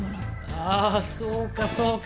ああそうかそうか。